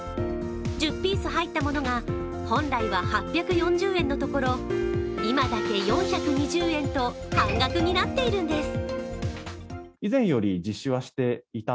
１０ピース入ったものが本来は８４０円のところ今だけ４２０円と半額になっているんです。